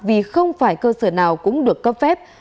vì không phải cơ sở nào cũng được cấp phép